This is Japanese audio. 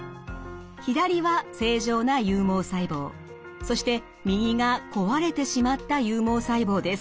左は正常な有毛細胞そして右が壊れてしまった有毛細胞です。